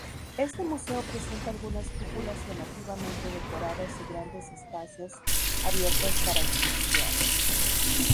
Este museo presenta algunas cúpulas llamativamente decoradas y grandes espacios abiertos para exhibición.